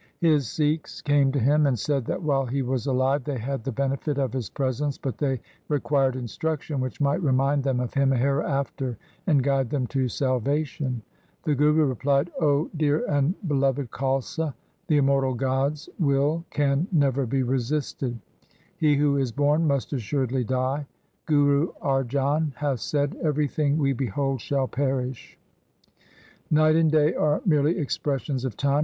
His Sikhs came to him, and said that while he was alive they had the benefit of his presence, but they required instruction which might remind them of him hereafter and guide them to salvation. The Guru replied, ' O dear and beloved Khalsa, the immortal God's will can never be resisted. He who is born must assuredly die. Guru Arjan hath said, " Everything we behold shall perish." Night and day are merely expressions of time.